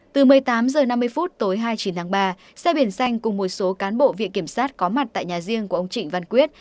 từ một mươi tám h năm mươi tối hai mươi chín tháng ba xe biển xanh cùng một số cán bộ viện kiểm sát có mặt tại nhà riêng của ông trịnh văn quyết